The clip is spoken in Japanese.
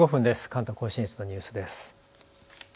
関東甲信越のニュースです。